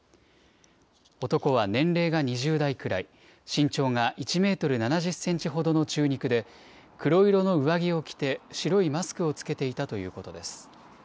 男は年齢が２０代くらい、身長が１メートル７０センチほどの中肉で、黒色の上着を着て、白いマスクを着けていたということです。